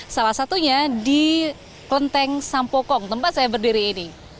salah satunya di kelenteng sampokong tempat saya berdiri ini